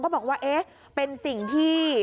บอกว่าเอ๊ะเป็นสิ่งที่